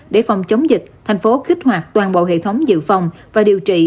để phòng chống dịch thành phố kích hoạt toàn bộ hệ thống dự phòng và điều trị